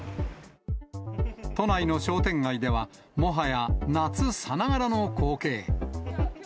都内の商店街では、もはや夏さながらの光景。